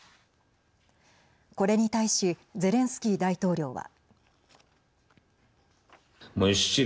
これに対しゼレンスキー大統領は。